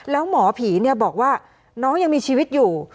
แล้วหมอผีบอกว่าน้องยังมีชีวิตอยู่